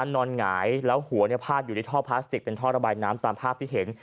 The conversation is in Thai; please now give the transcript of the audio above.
หงายแล้วหัวพาดอยู่ในท่อพลาสติกเป็นท่อระบายน้ำตามภาพที่เห็น